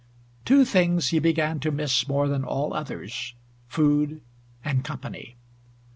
Two things he began to miss more than all others food and company.